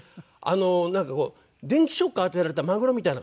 なんかこう電気ショック当てられたマグロみたいな感じでしたよ。